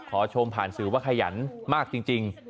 ชมผ่านสื่อว่าขยันมากจริง